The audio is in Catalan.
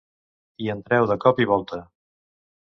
Hi entreu de cop i volta.